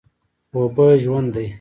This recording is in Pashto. اوبه ژوند دی؟